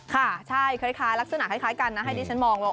ค่ะใช่ลักษณะคล้ายกันนะให้ดิฉันมอง